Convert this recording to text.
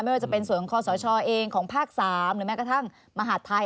ไม่ว่าจะเป็นส่วนของคอสชเองของภาค๓หรือแม้กระทั่งมหาดไทย